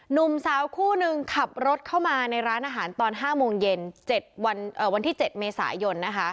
หนุ่มสาวคู่นึงขับรถเข้ามาในร้านอาหารตอน๕โมงเย็นวันที่๗เมษายนนะคะ